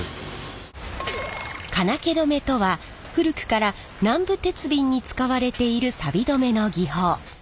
金気止めとは古くから南部鉄瓶に使われているさび止めの技法。